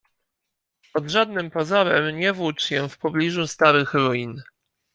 Pod żadnym pozorem nie włócz się w pobliżu starych ruin.